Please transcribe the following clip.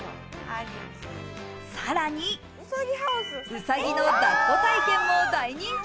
さらに、うさぎのだっこ体験も大人気。